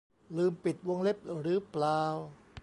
ลืมปิดวงเล็บหรือเปล่า